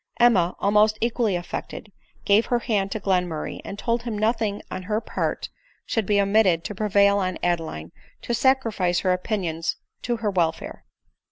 Emma, almost equally affected, gave her hand to Glen murray. and told him nothing on her part should be omitted to prevail on Adeline to sacrifice her opinions to her welfare.